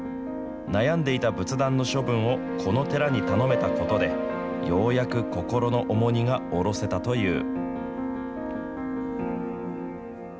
悩んでいた仏壇の処分をこの寺に頼めたことで、ようやく心の重荷が降ろせたという。